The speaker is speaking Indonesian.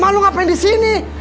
mak lu ngapain disini